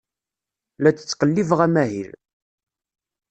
La d-ttqellibeɣ amahil.